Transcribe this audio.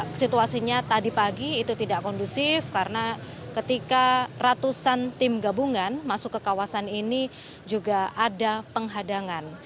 karena situasinya tadi pagi itu tidak kondusif karena ketika ratusan tim gabungan masuk ke kawasan ini juga ada penghadangan